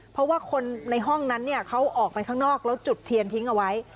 เพราะว่าคนในห้องนั้นเขาออกไปข้างนอกแล้วจุดเทียนทิ้งเอาไว้